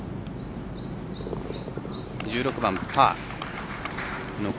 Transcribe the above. １６番、パー。